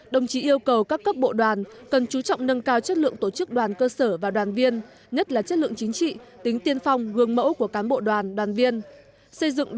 đồng chí yêu cầu các cấp bộ đoàn cần chú trọng nâng cao chất lượng tổ chức đoàn cơ sở và đoàn viên nhất là chất lượng chính trị tính tiên phong gương mẫu của cán bộ đoàn đoàn viên